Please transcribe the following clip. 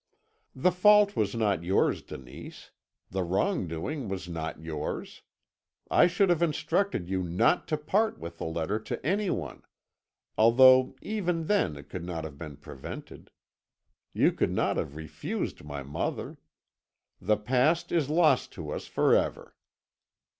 "'The fault was not yours, Denise: the wrong doing was not yours. I should have instructed you not to part with the letter to anyone; although even then it could not have been prevented; you could not have refused my mother. The past is lost to us forever.'